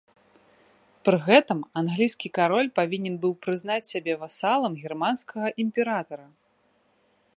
Пры гэтым англійскі кароль павінен быў прызнаць сябе васалам германскага імператара.